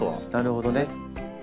なるほどね。